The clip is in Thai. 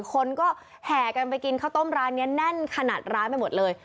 คนก็แห่กันไปกินข้าวต้มร้านนี้แน่นขนาดร้านไปหมดเลย